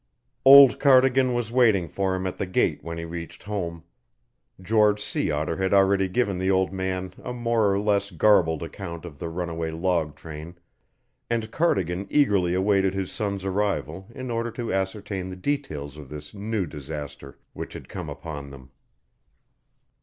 Old Cardigan was waiting for him at the gate when he reached home. George Sea Otter had already given the old man a more or less garbled account of the runaway log train, and Cardigan eagerly awaited his son's arrival in order to ascertain the details of this new disaster which had come upon them.